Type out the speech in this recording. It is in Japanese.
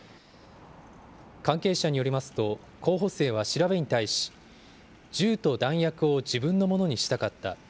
関係者によりますと、候補生は調べに対し、銃と弾薬を自分のものにしたかった。